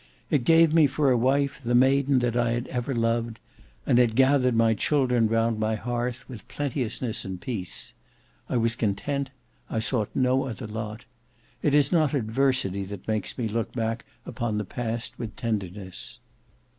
It gave me for a wife the maiden that I had ever loved; and it gathered my children round my hearth with plenteousness and peace. I was content: I sought no other lot. It is not adversity that makes me look back upon the past with tenderness.